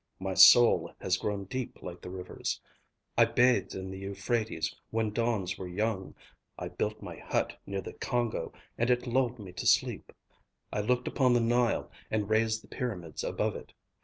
My soul has grown deep like the rivers. I bathed in the Euphrates when dawns were young. I built my hut near the Congo and it lulled me to sleep. I looked upon the Nile and raised the pyramids above it.